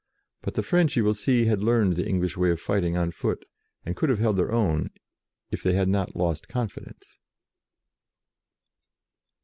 But the French, you will see, had learned the Eng lish way of fighting on foot, and could have held their own, if they had not lost con fidence.